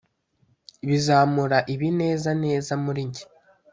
Bizamura ibi neza neza muri njye